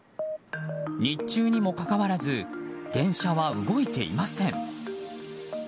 日中にもかかわらず電車は動いていません。